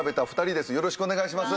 よろしくお願いします。